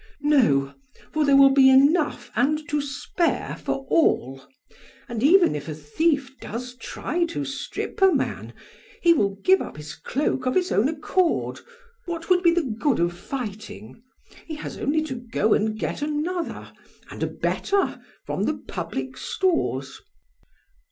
PRAX. No, for there will be enough and to spare for all. And even if a thief does try to strip a man, he will give up his cloak of his own accord. What would be the good of fighting? He has only to go and get another, and a better, from the public stores. BLEPS.